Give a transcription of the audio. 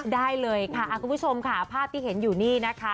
ได้เลยค่ะคุณผู้ชมค่ะภาพที่เห็นอยู่นี่นะคะ